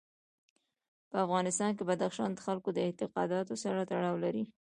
په افغانستان کې بدخشان د خلکو د اعتقاداتو سره تړاو لري.